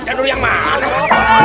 janur yang mana